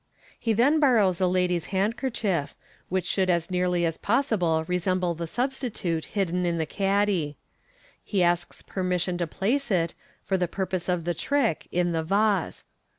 He then borrows a lady's handkerchief, which should as nearly as possible resemble the substitute hidden in the caddy. He asks per mission to place it, for the purpose of the trick, in the vase.